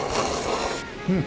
うん！